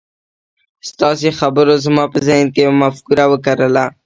ستاسې خبرو زما په ذهن کې يوه مفکوره وکرله.